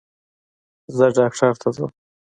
زه ډاکټر ته ځم